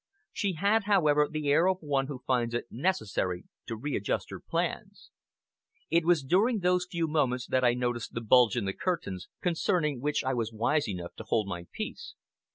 She had, however, the air of one who finds it necessary to readjust her plans. It was during those few moments that I noticed the bulge in the curtains, concerning which I was wise enough to hold my peace.